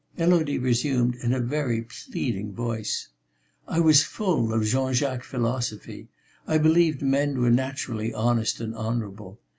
Élodie resumed in a very pleading voice: "I was full of Jean Jacques' philosophy; I believed men were naturally honest and honourable.